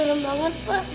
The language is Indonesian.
terus banget pak